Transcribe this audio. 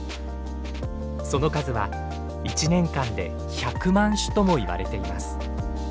その数は１年間で１００万首ともいわれています。